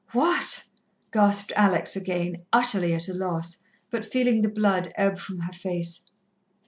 "What?" gasped Alex again, utterly at a loss, but feeling the blood ebb from her face.